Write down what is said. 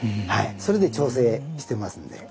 それで調整してますんで。